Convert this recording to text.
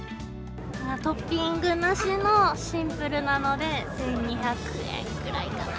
トッピングなしのシンプルなので、１２００円くらいかな。